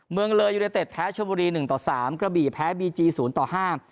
เมืองเลยยูเนเต็ดแพ้ชมบุรีหนึ่งต่อสามกระบี่แพ้บีจีศูนย์ต่อห้า